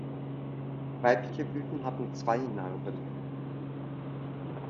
Weibliche Blüten haben zwei Narben.